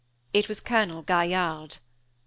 It was Colonel Gaillarde.